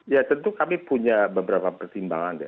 ya tentu kami punya beberapa pertimbangan ya